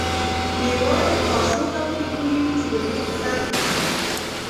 یوازې کاچوغه په دې پوهېږي چې د دیګ په تل کې څه دي.